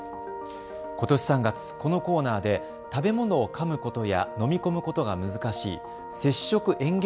ことし３月、このコーナーで食べ物をかむことや飲み込むことが難しい摂食えん下